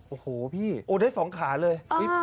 โอ้โหได้๒ขาเลย